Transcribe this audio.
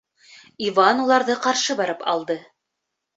Иван уларҙы ҡаршы барып алды.